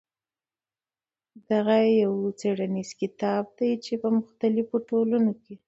دغه يو څېړنيز کتاب دى چې په مختلفو ټولنو کې.